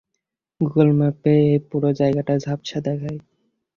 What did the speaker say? Google ম্যাপে এই পুরো জায়গাটা ঝাপসা দেখায়।